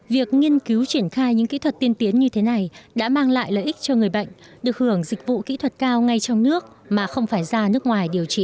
việc nghiên cứu triển khai những kỹ thuật tiên tiến như thế này đã mang lại lợi ích cho người bệnh được hưởng dịch vụ kỹ thuật cao ngay trong nước mà không phải ra nước ngoài điều trị